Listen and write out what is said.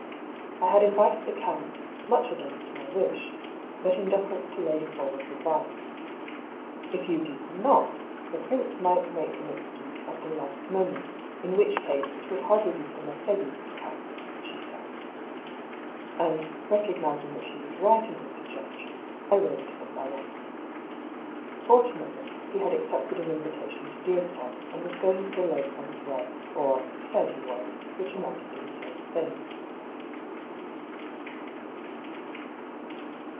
I had invited the count, 254 DR. PAULL'S THEORY. much against my wish, but in deference to Lady For wood's advice. " If yoa did noty the prince might make an excuse at the last moment, in which case it would hardly do for Mercedes to come,'' she said. And recog nising that she was right in her suggestion, I wrote to the fellow. Fortunately he had accepted an inyita tion to deerstalk, and was going to the Lakes on his way (or said he was, which amounted to the same thing).